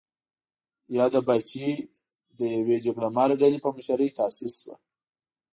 یاده پاچاهي د یوې جګړه مارې ډلې په مشرۍ تاسیس شوه.